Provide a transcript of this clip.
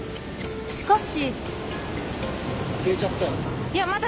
しかし。